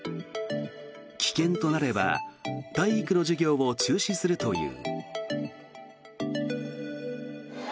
危険となれば体育の授業を中止するという。